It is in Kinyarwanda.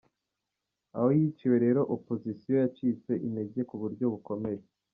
Aho yiciwe rero Opozisiyo yacitse intege kuburyo bukomeye.